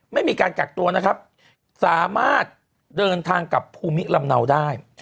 ไม่มีการกักตัวนะครับสามารถเดินทางกับภูมิลำเนาได้